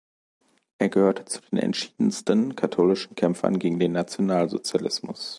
Er gehörte zu den entschiedensten katholischen Kämpfern gegen den Nationalsozialismus.